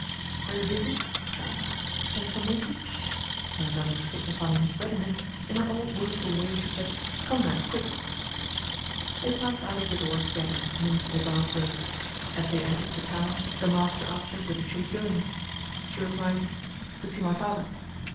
"Are you busy?" she asked. "Can you come with me?" and on his signifying his readiness, in her old willful way she said, "Come, then, quick!" They passed out of the door together and into the dark road. As they entered the town the master asked her whither she was going. She replied, "To see my father."